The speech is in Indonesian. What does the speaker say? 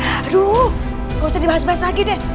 aduh gak usah dibahas bahas lagi deh